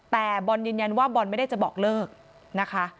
แต่บอลยืนยันว่าบอลไม่ได้จะบอกเลิกนะคะ